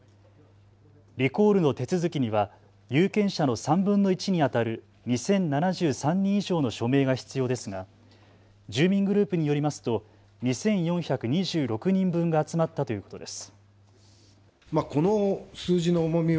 リコールの手続きには有権者の３分の１にあたる２０７３人以上の署名が必要ですが住民グループによりますと２４２６人分が集まったということです。